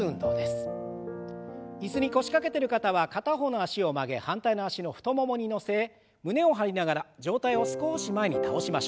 椅子に腰掛けてる方は片方の脚を曲げ反対の脚の太ももに乗せ胸を張りながら上体を少し前に倒しましょう。